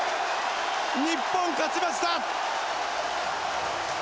日本勝ちました！